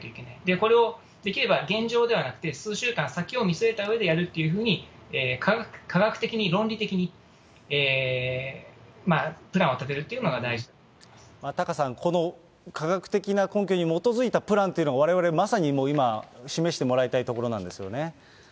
これを、できれば現状ではなくて、数週間先を見据えたうえでやるというふうに、科学的に、論理的に、タカさん、この科学的な根拠に基づいたプランというのを、われわれまさに今、示してもらいたいところなんですよね。